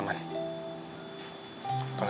gak di abisin